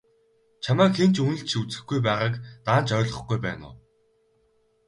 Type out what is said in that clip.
Чамайг хэн ч үнэлж үзэхгүй байгааг даанч ойлгохгүй байна уу?